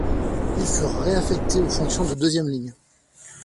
Ils furent réaffectés aux fonctions de deuxième ligne.